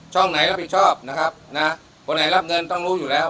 ไหนรับผิดชอบนะครับนะคนไหนรับเงินต้องรู้อยู่แล้ว